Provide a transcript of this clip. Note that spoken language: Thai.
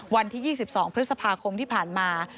วันที่๒๒พฤษภาคมที่ผ่านมา